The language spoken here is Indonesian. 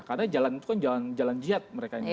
karena jalan itu kan jalan jihad mereka